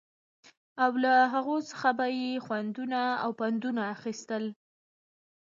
او له هغو څخه به يې خوندونه او پندونه اخيستل